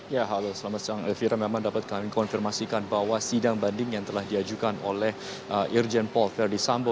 ya halo selamat siang elvira memang dapat kami konfirmasikan bahwa sidang banding yang telah diajukan oleh irjen paul verdi sambo